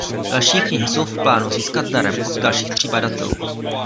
Další knihy jsou v plánu získat darem od dalších tří badatelů.